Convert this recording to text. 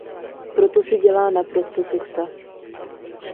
Proto si dělá, naprosto co chce.